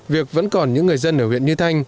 việc vẫn còn những người dân ở huyện như thanh